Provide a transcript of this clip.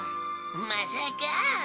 まさか。